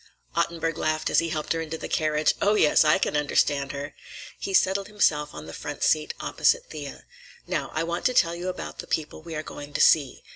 Ottenburg laughed as he helped her into the carriage. "Oh, yes; I can understand her!" He settled himself on the front seat opposite Thea. "Now, I want to tell you about the people we are going to see.